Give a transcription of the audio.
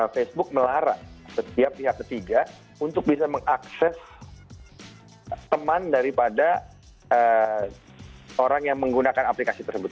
facebook melarang setiap pihak ketiga untuk bisa mengakses teman daripada orang yang menggunakan aplikasi tersebut